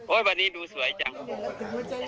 วันนี้ดูสวยจัง